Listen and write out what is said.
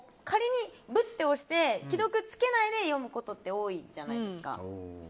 今、押して既読をつけないで読むことって多いじゃないですか。